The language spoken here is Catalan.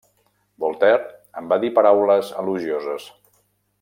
Voltaire en va dir paraules elogioses.